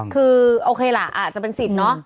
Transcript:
คือโอเคล่าอาจจะเป็นศิษย์เนาะ